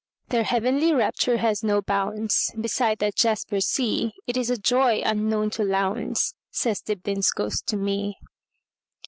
Their heavenly rapture has no boundsBeside that jasper sea; It is a joy unknown to Lowndes,"Says Dibdin's ghost to me.